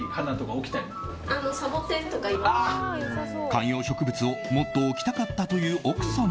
観葉植物をもっと置きたかったという奥様。